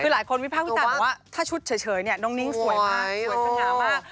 คือหลายคนวิพากษ์วิจารณ์บอกว่าถ้าชุดเฉยเนี่ยน้องนิ้งสวยมากสวยสง่ามาก